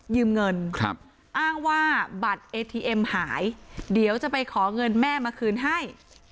เงินอ้างว่าบัตรเอทีเอ็มหายเดี๋ยวจะไปขอเงินแม่มาคืนให้